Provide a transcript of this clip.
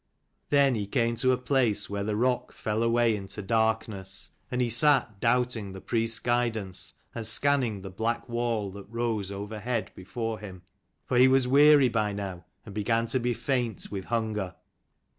Then he came to a place where the rock fell away into darkness: and he sat doubting the priest's guidance, and scanning the black wall that rose over head before him : for he was weary by now and began to be faint with hunger.